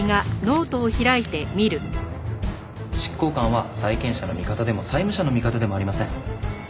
執行官は債権者の味方でも債務者の味方でもありません。